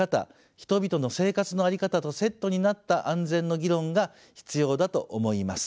人々の生活の在り方とセットになった安全の議論が必要だと思います。